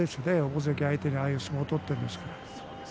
大関相手にああいう相撲を取っているんですから。